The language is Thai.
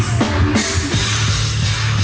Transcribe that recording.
ส่วนยังแบร์ดแซมแบร์ด